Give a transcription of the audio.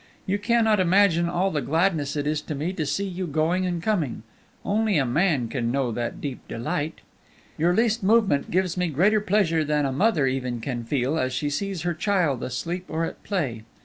You cannot imagine all the gladness it is to me to see you going and coming; only a man can know that deep delight. Your least movement gives me greater pleasure than a mother even can feel as she sees her child asleep or at play.